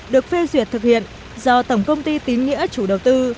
được phê duyệt thực hiện do tổng công ty tín nghĩa chủ đầu tư